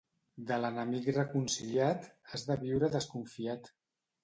De l'enemic reconciliat has de viure desconfiat.